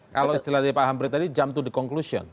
kalau istilahnya pak hambrit tadi jump to the conclusion